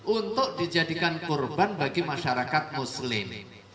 untuk dijadikan kurban bagi masyarakat muslim